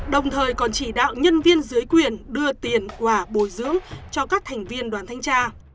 đồng thời còn chỉ đạo nhân viên dưới quyền đưa tiền quả bồi dưỡng cho các thành viên đoàn thanh tra